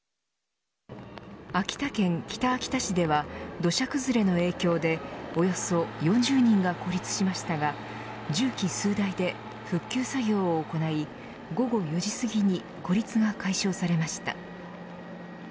秋田県北秋田市では土砂崩れの影響でおよそ４０人が孤立しましたが重機数台で復旧作業を行い午後４時すぎに孤立が解消されました。